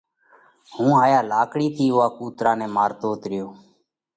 هُون هايا لاڪڙِي ٿِي اُوئا ڪُوترا نئہ مارتوت ريو۔